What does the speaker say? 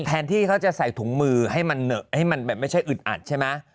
แทนที่เขาจะใส่ถุงมือให้มันให้มันแบบไม่ใช่อึดอัดใช่ไหม